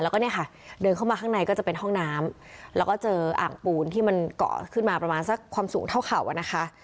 แล้วก็เนี่ยค่ะเดินเข้ามาข้างในก็จะเป็นห้องน้ำแล้วก็เจออ่างปูนที่มันเกาะขึ้นมาประมาณสักความสูงเท่าเข่าอ่ะนะคะ